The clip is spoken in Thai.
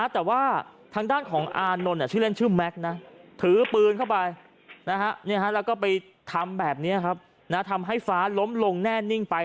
แต่ว่าทางด้านของอานนท์ชื่อเล่นชื่อแม็กซ์นะถือปืนเข้าไปแล้วก็ไปทำแบบนี้ทำให้ฟ้าล้มลงแน่นิ่งไป